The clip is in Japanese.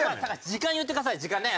時間言ってください時間ね。